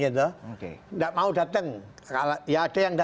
tidak mau datang ada yang datang ada yang tidak